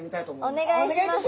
お願いします。